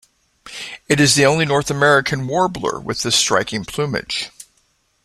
It is the only North American warbler with this striking plumage.